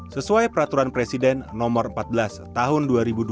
sesuai peraturan presiden nomor empat belas tahun dua ribu dua puluh